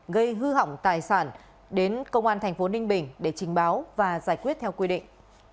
gây hư hỏng tài sản đến công an thành phố ninh bình để trình báo và giải quyết theo quy định